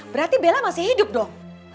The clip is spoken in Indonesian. berarti bella masih hidup dong